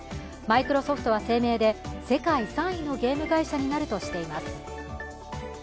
マイクロソフトは声明で、世界３位のゲーム会社になるとしています。